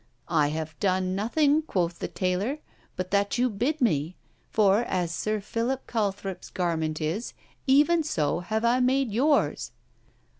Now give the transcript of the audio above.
'I have done nothing,' quoth the taylor, 'but that you bid me; for as Sir Philip Calthrop's garment is, even so I have made yours!'